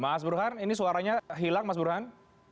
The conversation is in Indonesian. mas burhan ini suaranya hilang mas burhan